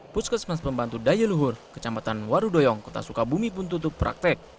puskesmas pembantu daya luhur kecamatan warudoyong kota sukabumi pun tutup praktek